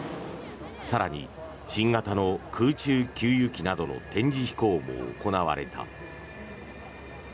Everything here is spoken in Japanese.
更に新型の空中給油機などの展示飛行も行われた。